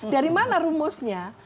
dari mana rumusnya